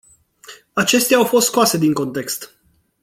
Acestea au fost scoase din context.